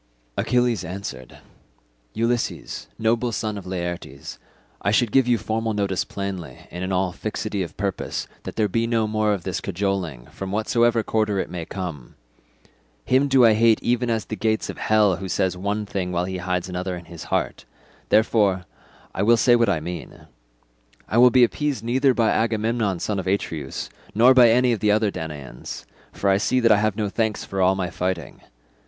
Achilles answered, "Ulysses, noble son of Laertes, I should give you formal notice plainly and in all fixity of purpose that there be no more of this cajoling, from whatsoever quarter it may come. Him do I hate even as the gates of hell who says one thing while he hides another in his heart; therefore I will say what I mean. I will be appeased neither by Agamemnon son of Atreus nor by any other of the Danaans, for I see that I have no thanks for all my fighting.